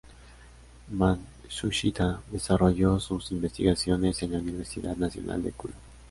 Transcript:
Matsushita desarrolló sus investigaciones en la Universidad Nacional de Cuyo.